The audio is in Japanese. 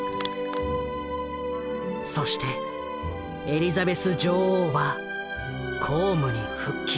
そしてエリザベス女王は公務に復帰。